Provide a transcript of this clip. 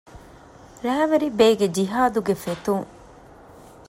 ރައިވެރިބޭގެ ޖިހާދުގެ ފެތުން